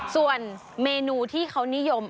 ส่วนเมนูที่เขานิยม